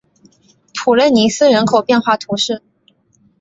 普雷尼斯人口变化图示